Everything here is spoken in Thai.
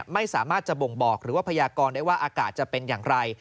ไม่สามารถจะบ่งบอกหรือว่าพยากรได้ว่าอากาศจะเป็นอย่างไร